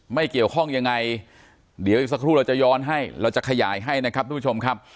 ไม่เกี่ยวข้องยังไงเดี๋ยวอีกสักครู่เราจะย้อนให้เราจะขยายให้นะครับทุกผู้ชมครับ